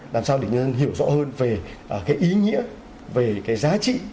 làm sao để nhân dân hiểu rõ hơn về cái ý nghĩa về cái giá trị